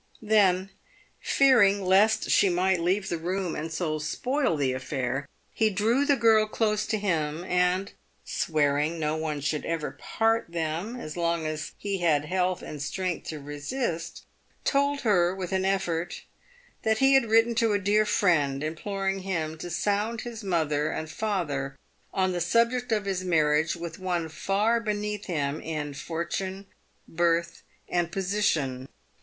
Then, fearing lest she might leave the room, and so spoil the affair, he drew the girl close to him, and, swearing no one should ever part them as long as he had health and strength to resist, told her, with an effort, that he had written to a dear friend, imploring him to sound his mother and father on the subject of his marriage with one far beneath him in fortune, birth, and position.